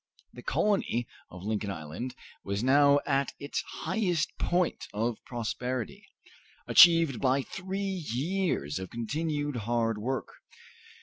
The colony of Lincoln Island was now at its highest point of prosperity, achieved by three years of continued hard work.